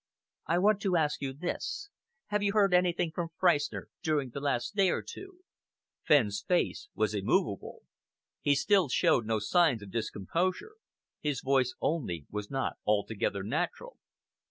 "I want to ask you this: have you heard anything from Freistner during the last day or two?" Fenn's face was immovable. He still showed no signs of discomposure his voice only was not altogether natural.